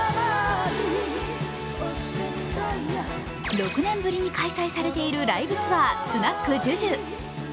６年ぶりに開催されているライブツアー・スナックＪＵＪＵ。